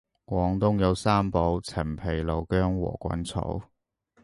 廣東有三寶陳皮老薑禾桿草